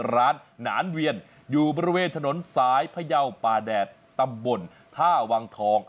ร้านหนานเวียนอยู่บริเวณถนนสายพยาวป่าแดดตำบลท่าวังทอง